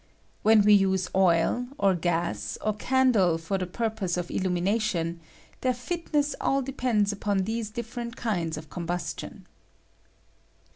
When we use oil, or gas, or candle for the pur pose of illumination, their fitness all depends upon these different kinds of combustion.